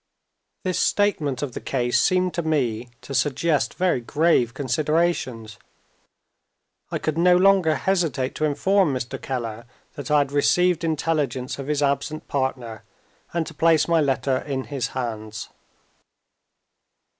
This statement of the case seemed to me to suggest very grave considerations. I could no longer hesitate to inform Mr. Keller that I had received intelligence of his absent partner, and to place my letter in his hands.